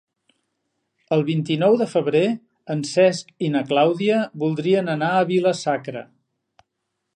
El vint-i-nou de febrer en Cesc i na Clàudia voldrien anar a Vila-sacra.